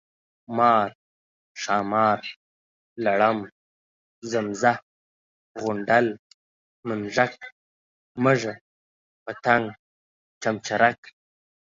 مار، ښامار ، لړم، زمزه، غونډل، منږک ، مږه، پتنګ ، چمچرک،